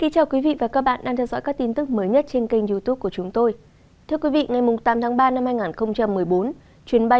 các bạn hãy đăng ký kênh để ủng hộ kênh của chúng tôi nhé